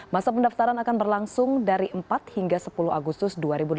masa pendaftaran akan berlangsung dari empat hingga sepuluh agustus dua ribu delapan belas